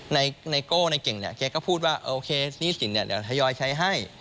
ไนโก้ในเก่งเนี่ยแกก็พูดว่าโอเคหนี้สินเดี๋ยวทยอยใช้ให้